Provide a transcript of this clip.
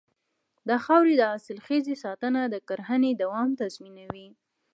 د خاورې د حاصلخېزۍ ساتنه د کرنې دوام تضمینوي.